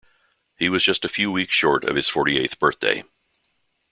He was just a few weeks short of his forty-eighth birthday.